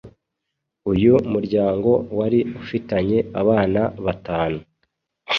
Uyu muryango wari ufitanye abana batanu